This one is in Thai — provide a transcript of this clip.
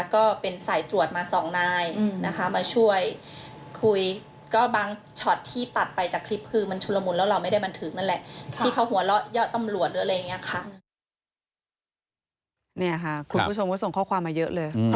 ก็ส่งข้อความมาเยอะเลย